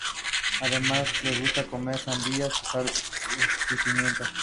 Cultivaron el algodón, maíz, fríjol, piñas, tabaco y coca.